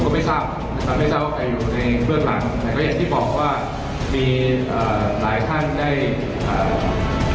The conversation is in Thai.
ก็ไม่ได้มีปัญหาอะไรถ้าบริสุทธิ์ที่ที่ทำมีมาตรฐานด้วยกันมา